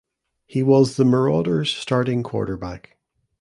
He was the Marauders starting quarterback.